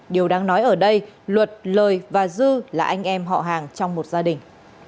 điều đáng nói ở đây luật lời và dư là anh em họ hàng trong một gia đình